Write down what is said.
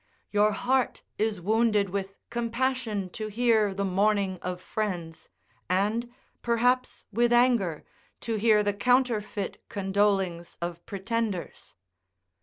Your heart is wounded with compassion to hear the mourning of friends, and, perhaps with anger, to hear the counterfeit condolings of pretenders.